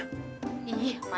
gak mau dihantar